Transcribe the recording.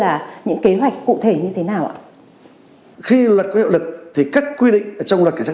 là những kế hoạch cụ thể như thế nào ạ khi luật có hiệu lực thì các quy định trong luật cảnh sát